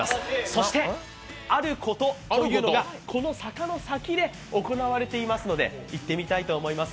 そして、あることというのがこの坂の先で行われていますので行ってみたいと思います。